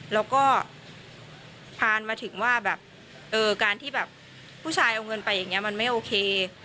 แล้วก็ผ่านมาถึงว่าแบบการที่แบบผู้ชายเอาเงินไปอย่างนี้มันไม่โอเค